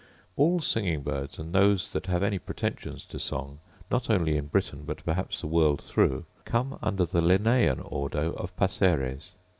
All singing birds, and those that have any pretensions to song, not only in Britain, but perhaps the world through, come under the Linnaean ordo of passeres.